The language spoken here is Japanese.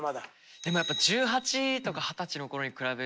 でもやっぱ１８とか二十歳のころに比べるとやっぱ。